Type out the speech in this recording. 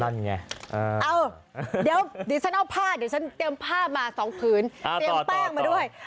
เอ้าเดี๋ยวฉันเอาผ้าเดี๋ยวฉันเตรียมผ้ามา๒ผืนเตรียมแป้งมาด้วย